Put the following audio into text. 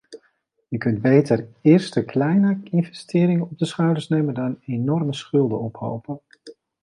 Je kunt beter eerste kleinere investeringen op de schouders nemen dan enorme schulden ophopen.